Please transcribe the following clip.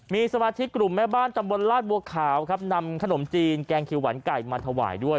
มีสมาชิกกลุ่มแม่บ้านตำบลลาดบัวขาวครับนำขนมจีนแกงคิวหวานไก่มาถวายด้วย